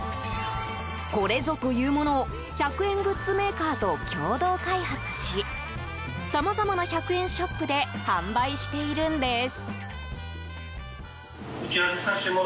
これぞというものを１００円グッズメーカーと共同開発しさまざまな１００円ショップで販売しているんです。